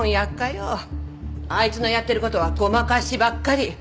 あいつのやってる事はごまかしばっかり。